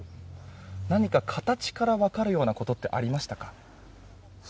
何か形から分かることはありましたか？